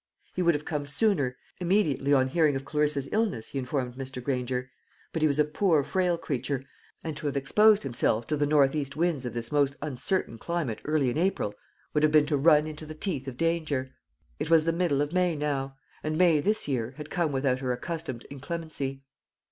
He would have come sooner, immediately on hearing of Clarissa's illness, he informed Mr. Granger; but he was a poor frail creature, and to have exposed himself to the north cast winds of this most uncertain climate early in April would have been to run into the teeth of danger. It was the middle of May now, and May this year had come without her accustomed inclemency.